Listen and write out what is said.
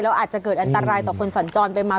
แล้วอาจจะเกิดอันตรายต่อคนสัญจรไปมา